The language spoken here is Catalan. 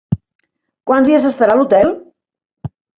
Quants dies s'estarà a l'hotel?